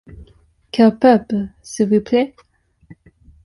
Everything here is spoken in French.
Quel peuple, s’il vous plaît?